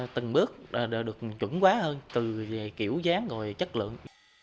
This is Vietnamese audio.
từng bước đều được chuẩn quá hơn từ kiểu dáng rồi chất lượng